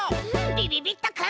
びびびっとくん。